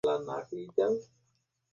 কী বলছ যেন?